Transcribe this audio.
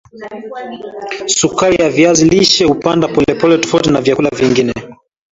sukari ya viazi lishe hupanda polepole tofauti na vyakula vingine